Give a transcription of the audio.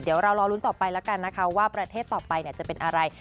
เดี๋ยวเรารอลุ้นต่อไปแล้วกันนะคะว่าประเทศต่อไปจะเป็นอะไร